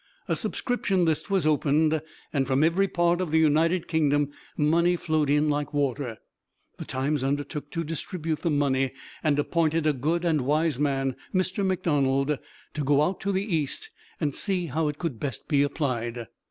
A subscription list was opened, and from every part of the United Kingdom money flowed in like water. The Times undertook to distribute the money, and appointed a good and wise man, Mr. McDonald, to go out to the East and see how it could best be applied.